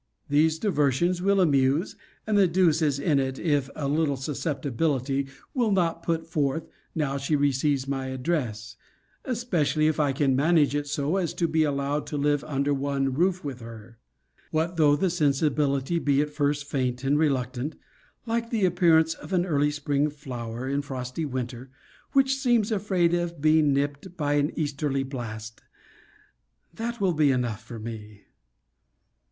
These diversions will amuse, and the deuce is in it, if a little susceptibility will not put forth, now she receives my address; especially if I can manage it so as to be allowed to live under one roof with her. What though the sensibility be at first faint and reluctant, like the appearance of an early spring flower in frosty winter, which seems afraid of being nipt by an easterly blast! That will be enough for me.